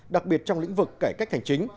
đặc biệt trong lĩnh vực cải cách hành chính